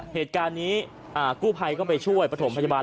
เหตุการณ์นี้กู้ภัยก็ไปช่วยประถมพยาบาล